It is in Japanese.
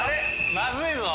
まずいぞ。